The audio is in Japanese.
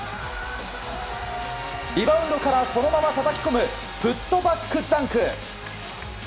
リバウンドからそのままたたき込むプットバックダンク。